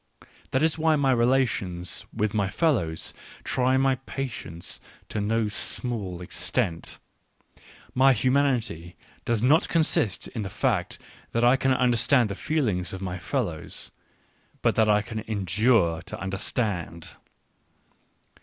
That is why my relations with my fellows try my patience to no small extent ; my humanity does not consist in the fact that I understand the feelings of my fellows, but that I can endure to understand.